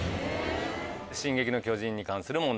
『進撃の巨人』に関する問題